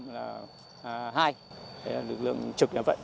đấy là lực lượng trực như vậy